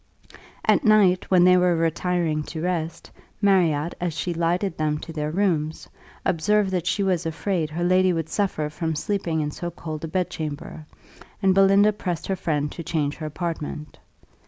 At night, when they were retiring to rest, Marriott, as she lighted them to their rooms, observed that she was afraid her lady would suffer from sleeping in so cold a bedchamber, and Belinda pressed her friend to change her apartment.